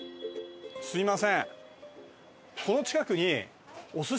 すみません。